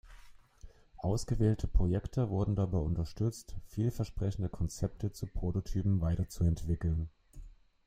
Ausgewählte Projekte wurden dabei unterstützt, vielversprechende Konzepte zu Prototypen weiterzuentwickeln.